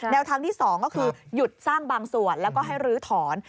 ทางที่๒ก็คือหยุดสร้างบางส่วนแล้วก็ให้ลื้อถอน